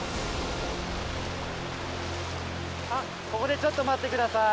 あっここでちょっと待って下さい。